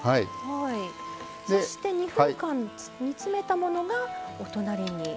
そして２分間煮詰めたものがお隣に。